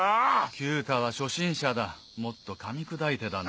九太は初心者だもっとかみ砕いてだな。